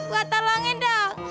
gua tolongin dok